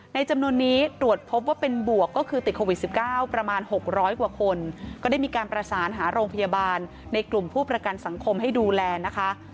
จำนวนนี้ตรวจพบว่าเป็นบวกก็คือติดโควิด๑๙ประมาณ๖๐๐กว่าคนก็ได้มีการประสานหาโรงพยาบาลในกลุ่มผู้ประกันสังคมให้ดูแลนะคะ